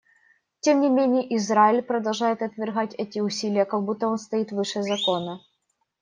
Тем не менее Израиль продолжает отвергать эти усилия, как будто он стоит выше закона.